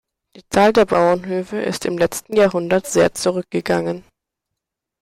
Die Zahl der Bauernhöfe ist im letzten Jahrhundert sehr zurückgegangen.